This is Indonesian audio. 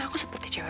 aku seperti cinta dia